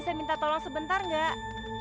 saya bisa minta tolong sebentar gak